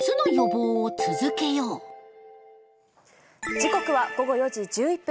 時刻は午後４時１１分。